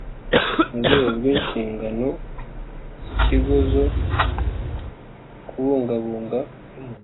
Mu rwego rw inshingano z ikigo zo kubungabunga